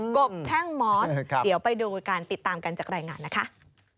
กบแท่งมอสติดตามกันจากรายงานนะครับ